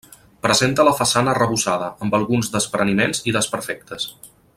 Presenta la façana arrebossada, amb alguns despreniments i desperfectes.